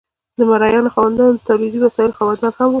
د مرئیانو خاوندان د تولیدي وسایلو خاوندان هم وو.